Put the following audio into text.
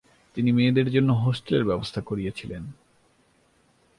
তিনি মেয়েদের জন্য হোস্টেলের ব্যবস্থা করেছিলেন।